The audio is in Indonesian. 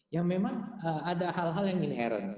ya memang ada hal hal yang inheren